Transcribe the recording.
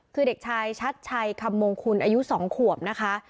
คือเด็กชายชัดชัยคำมงคุณอายุ๒ขวบนะคะ